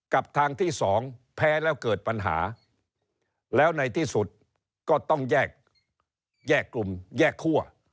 กับทางที่๒แพ้แล้วเกิดปัญหาแล้วในที่สุดก็ต้องแยกกลุ่มแยกคั่ว